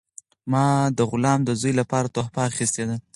ما د غلام د زوی لپاره تحفه اخیستې ده.